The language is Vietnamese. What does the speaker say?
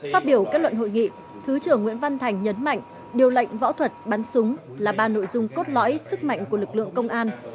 phát biểu kết luận hội nghị thứ trưởng nguyễn văn thành nhấn mạnh điều lệnh võ thuật bắn súng là ba nội dung cốt lõi sức mạnh của lực lượng công an